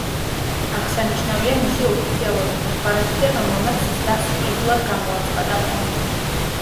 აღსანიშნავია, მისი ოფიციალური დეკლარაცია, რომელმაც დასრულებულად გამოაცხადა ომი.